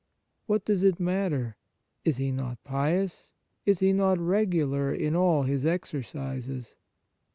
What does it matter ? Is he not pious ? Is he not regular in all his exercises